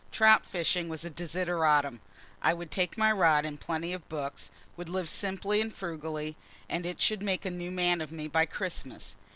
Trout fishing was a desideratum. I would take my rod and plenty of books, would live simply and frugally, and it should make a new man of me by Christmas.